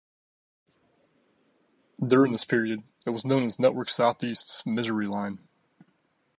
During this period, it was known as Network SouthEast's "misery line".